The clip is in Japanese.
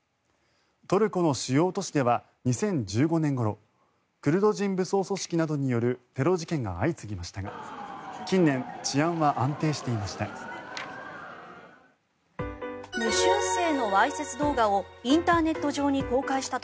トルコの主要都市では２０１５年ごろクルド人武装組織などによるテロ事件が相次ぎましたが近年、治安は安定していました。